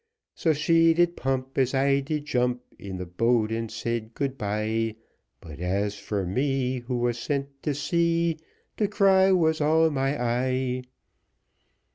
So she did pump, As I did jump In the boat, and said, "Good bye;" But as for me, Who was sent to sea, To cry was all my eye.